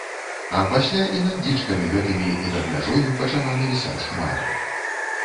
А пасля і над дзічкамі гэтымі і над мяжою пачала навісаць хмара.